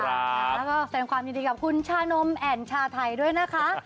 แล้วก็แสดงความยินดีกับคุณชานมแอ่นชาไทยด้วยนะคะ